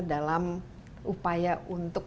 dalam upaya untuk